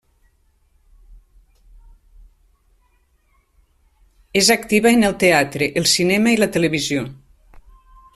És activa en el teatre, el cinema i la televisió.